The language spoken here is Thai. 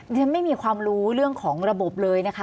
ฉันไม่มีความรู้เรื่องของระบบเลยนะคะ